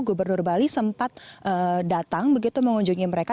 gubernur bali sempat datang begitu mengunjungi mereka